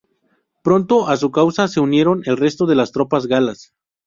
Pronto a su causa se unieron el resto de las tropas galas.